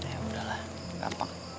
ya udahlah gampang